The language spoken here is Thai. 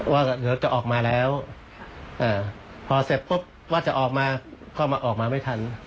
ว่าเดี๋ยวจะออกมาแล้วพอเสร็จปุ๊บว่าจะออกมาก็มาออกมาไม่ทัน